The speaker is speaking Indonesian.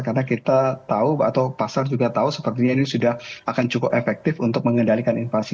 karena kita tahu atau pasar juga tahu sepertinya ini sudah akan cukup efektif untuk mengendalikan inflasi